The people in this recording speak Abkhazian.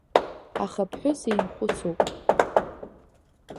Аха ԥҳәыс еимхәыцуп.